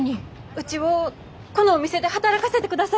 うちをこのお店で働かせてください。